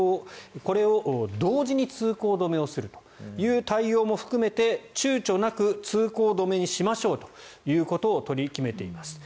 これを同時に通行止めをするという対応も含めて躊躇なく通行止めにしましょうということを取り決めています。